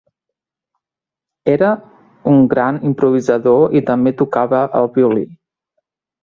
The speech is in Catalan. Era un gran improvisador i també tocava el violí.